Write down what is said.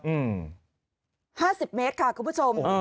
๕๐เมตรค่ะคุณผู้ชม